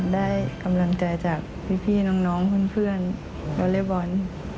ได้กำลังใจจากพี่น้องเพื่อนวอเล็กบอล